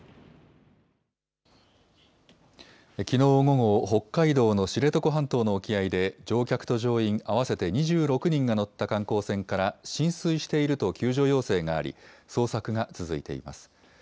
きのう午後、北海道の知床半島の沖合で乗客と乗員合わせて２６人が乗った観光船から、浸水していると救助要請があり、捜索が続いています。